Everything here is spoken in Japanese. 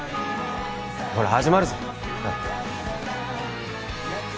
ほら始まるぞ